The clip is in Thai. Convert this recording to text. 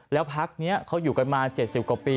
แล้วพักนี้เขาอยู่กันมา๗๐กว่าปี